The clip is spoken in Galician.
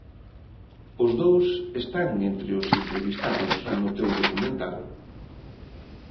Os dous están entre os entrevistados no teu documental.